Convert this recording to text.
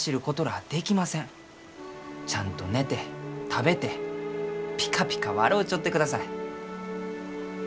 ちゃんと寝て食べてピカピカ笑うちょってください。